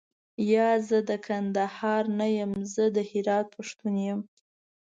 یا، زه د کندهار نه یم زه د هرات پښتون یم.